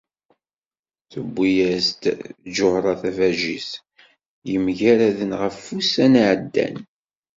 Tuwi-as-d Ǧuhra tabajit yemgaraden ɣef wussan i iɛeddan.